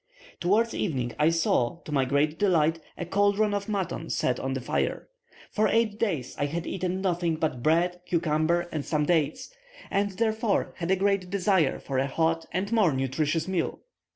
Towards evening I saw, to my great delight, a cauldron of mutton set on the fire. For eight days I had eaten nothing but bread, cucumber, and some dates; and, therefore, had a great desire for a hot and more nutritious meal.